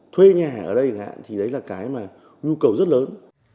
thuê nhà ở đây thì đấy là cái mà nhu cầu rất lớn